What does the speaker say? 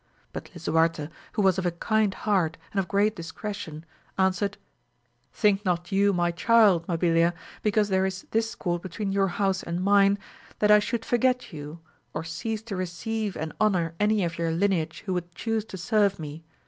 But Lisuarte, who was of a kind heart and of great discretion, answered, Think not you my child Mabilia because there is discord between your house and mine, that I should forget you, or cease to receive and honour any of your lineage who would chuse to serve me.